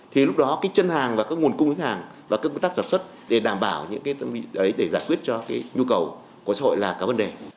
thì lúc đó cái chân hàng và các nguồn cung ứng hàng và các công tác sản xuất để đảm bảo những cái tâm lý đấy để giải quyết cho cái nhu cầu của xã hội là các vấn đề